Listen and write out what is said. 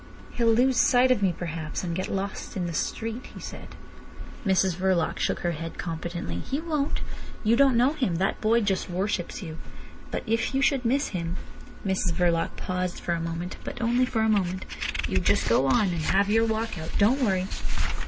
"He'll lose sight of me perhaps, and get lost in the street," he said. Mrs Verloc shook her head competently. "He won't. You don't know him. That boy just worships you. But if you should miss him—" Mrs Verloc paused for a moment, but only for a moment. "You just go on, and have your walk out. Don't worry.